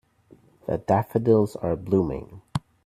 The daffodils are blooming.